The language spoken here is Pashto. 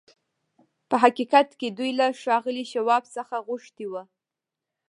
په حقيقت کې دوی له ښاغلي شواب څخه غوښتي وو.